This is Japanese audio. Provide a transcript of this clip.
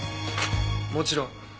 もちろん。